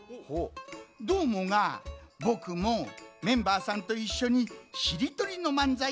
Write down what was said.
どーもがぼくもメンバーさんといっしょにしりとりのまんざいをやってみたいというとりますぞ。